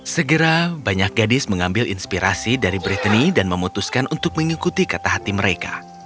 segera banyak gadis mengambil inspirasi dari brittany dan memutuskan untuk mengikuti kata hati mereka